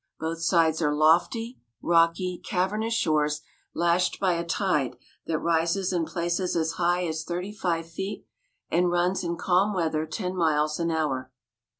Both sides are lofty, rocky, cavernous shores lashed by a tide that rises in places as high as thirty five feet and runs in calm weather ten miles an hour.